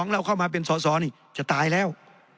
๖๐๖๑๖๒แล้วเข้ามาเป็น๖๒นี่จะตายแล้ว